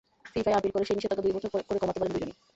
ফিফায় appeal করে সেই নিষেধাজ্ঞা দুই বছর করে কমাতে পারেন দুজনই।